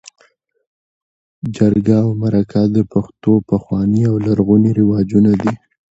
جرګه او مرکه د پښتنو پخواني او لرغوني رواجونه دي.